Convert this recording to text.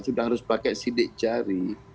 sudah harus pakai sidik jari